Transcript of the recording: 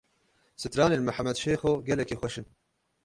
Stranên Mihemed Şêxo gelekî xweş in.